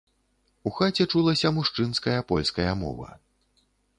У хаце чулася мужчынская польская мова.